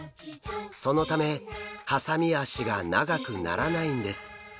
そのためハサミ脚が長くならないんです。